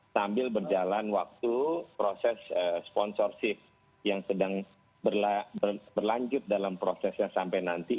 sambil berjalan waktu proses sponsorship yang sedang berlanjut dalam prosesnya sampai nanti